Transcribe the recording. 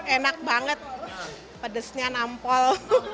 enak banget pedasnya nampol